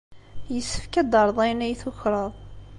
Yessefk ad d-terreḍ ayen ay tukreḍ.